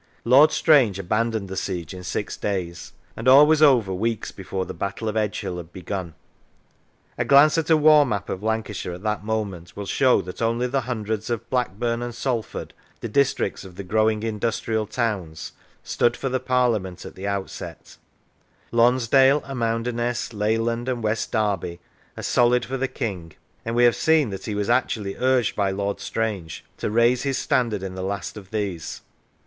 Lord Strange abandoned the siege in six days, and all was over weeks before the Battle of Edgehill had begun. A glance at a war map of Lancashire at that moment will show that only the hundreds of Blackburn and Salford, the districts of the growing industrial towns, stood for the Parliament at the outset; Lonsdale, Amounderness, Leyland, and West Derby, are solid for the King, and we have seen that he was actually urged by Lord Strange to raise his standard in the last of these.